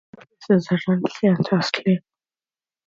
Nearby places are Ansley and Astley.